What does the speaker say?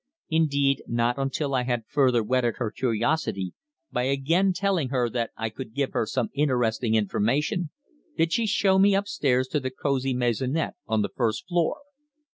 Indeed, not until I had further whetted her curiosity by again telling her that I could give her some interesting information, did she show me upstairs to the cosy maisonnette on the first floor.